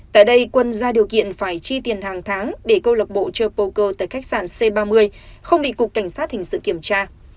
tại đây quân ra điều kiện phải chi tiền hàng tháng để câu lạc bộ trơ poker tại khách sạn c ba mươi không bị cục cảnh sát hình sự kiểm tra